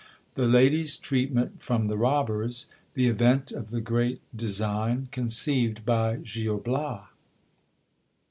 X. — The lady's treatment from the robbers. The event of the great design, ' conceived by Gil Bias.